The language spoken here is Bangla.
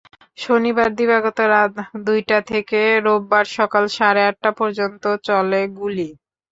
শনিবার দিবাগত রাত দুইটা থেকে রোববার সকাল সাড়ে আটটা পর্যন্ত চলে গুলি।